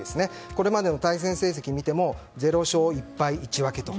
これまでの対戦成績を見ても０勝１敗１分けと。